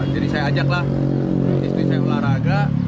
jadi saya ajak lah istri saya olahraga